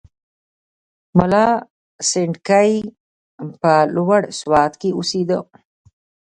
ملا سنډکی په لوړ سوات کې اوسېدی.